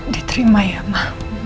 diterima ya mama